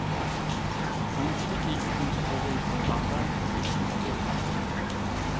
ئۇنچىلىك ئېگىزدىن سۇغا يىقىلغانغا ھېچنېمە بولمايدۇ.